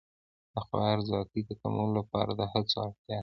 د خوارځواکۍ د کمولو لپاره د هڅو اړتیا ده.